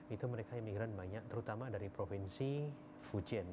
itu mereka emigran banyak terutama dari provinsi fujian